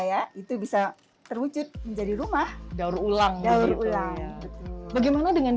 ya itu bisa terwujud menjadi rumah daur ulang daur ulang betul betul bagaimana dengan